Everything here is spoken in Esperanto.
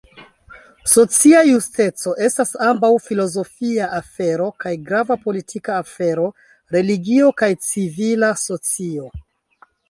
Socia justeco estas ambaŭ filozofia afero kaj grava politika afero, religio, kaj civila socio.